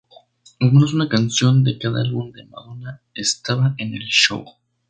Al menos una canción de cada álbum de Madonna estaba en el show.